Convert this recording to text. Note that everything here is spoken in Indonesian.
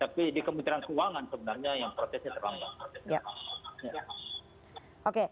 tapi di kementerian keuangan sebenarnya yang protesnya terlambat